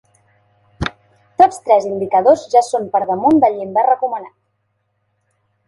Tots tres indicadors ja són per damunt del llindar recomanat.